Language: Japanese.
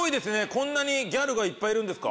こんなにギャルがいっぱいいるんですか？